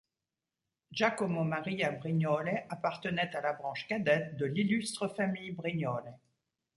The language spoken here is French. Giacomo Maria Brignole appartenait à la branche cadette de l'illustre famille Brignole.